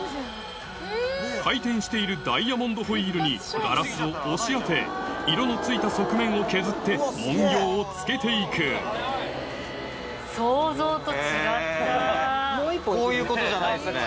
回転しているダイヤモンドホイールにガラスを押し当て色の付いた側面を削って文様を付けて行くこういうことじゃないですね。